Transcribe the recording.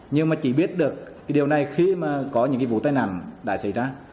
nhưng mà chỉ biết được cái điều này khi mà có những cái vụ tai nạn đã xảy ra